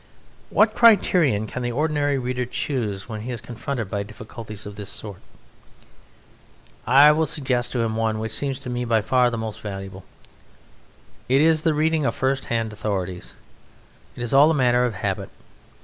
What criterion can the ordinary reader choose when he is confronted by difficulties of this sort? I will suggest to him one which seems to me by far the most valuable. It is the reading of firsthand authorities. It is all a matter of habit.